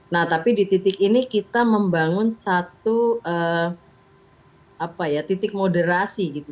nah tapi di titik ini kita membangun satu titik moderasi gitu